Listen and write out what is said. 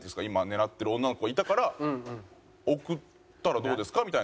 今狙ってる女の子がいたから送ったらどうですか？